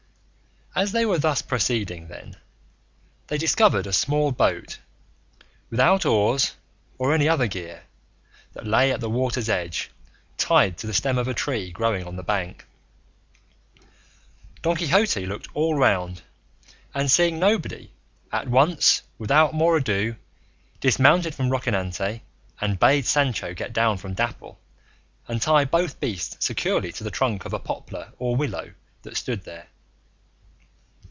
As they were thus proceeding, then, they discovered a small boat, without oars or any other gear, that lay at the water's edge tied to the stem of a tree growing on the bank. Don Quixote looked all round, and seeing nobody, at once, without more ado, dismounted from Rocinante and bade Sancho get down from Dapple and tie both beasts securely to the trunk of a poplar or willow that stood there.